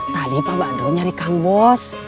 tadi pak badrun nyari kambos